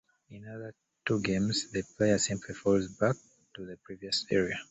In the other two games the player simply falls back to the previous area.